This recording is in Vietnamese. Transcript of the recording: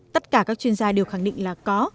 tất cả các chuyên gia đều khẳng định là có